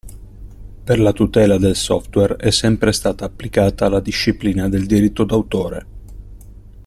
Per la tutela del software è sempre stata applicata la disciplina del diritto d'autore.